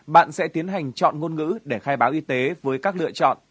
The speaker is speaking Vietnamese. bạn sẽ tiến hành chọn ngôn ngữ để khai báo y tế với các lựa chọn